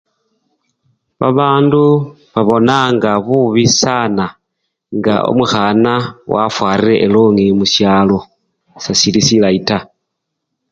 Babandu babonanga bubi sana nga omukhan wafwarire elongi musyalo, sesili silayi taa.